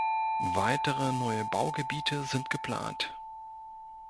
Weitere neue Baugebiete sind geplant.